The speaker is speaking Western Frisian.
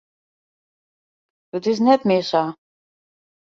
It is net mear sa.